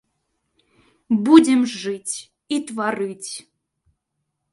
Будам жыць і тварыць.